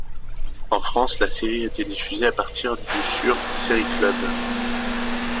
En France, la série a été diffusée à partir du sur Série Club.